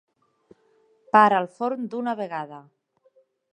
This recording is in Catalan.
Para el forn d'una vegada!